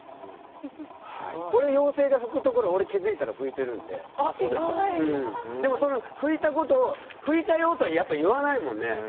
俺、妖精が拭くところ気づいたら拭いてるんででも拭いたことを拭いたよとは言わないもんね。